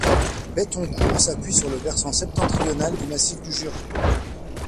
Bethoncourt s'appuie sur le versant septentrional du massif du Jura.